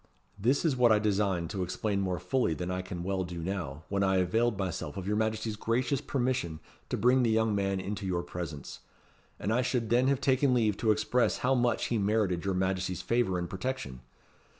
This was what I designed to explain more fully than I can well do now, when I availed myself of your Majesty's gracious permission to bring the young man into your presence; and I should then have taken leave to express how much he merited your Majesty's favour and protection.